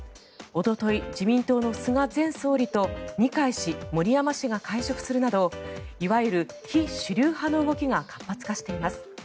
おととい、自民党の菅前総理と二階氏、森山氏が会食するなどいわゆる非主流派の動きが活発化しています。